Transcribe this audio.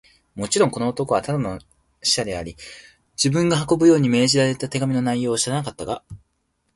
もちろん、この男はただの使者であり、自分が運ぶように命じられた手紙の内容を知らなかったが、